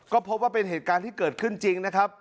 ก็พบว่าเป็นเหตุการณ์ที่เกิดขึ้นจริงนะครับ